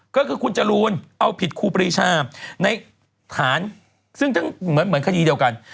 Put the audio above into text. ก็คือคุณจรูนเอาผิดครูปรีชาในฐานซึ่งทั้งเหมือนคดีเดียวกัน